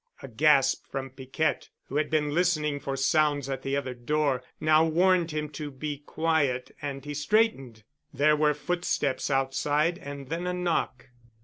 A gasp from Piquette, who had been listening for sounds at the other door, now warned him to be quiet and he straightened. There were footsteps outside and then a knock.